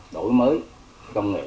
đổi mới công nghệ